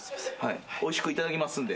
おいしくいただきますんで。